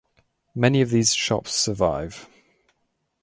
Many of these shops survive.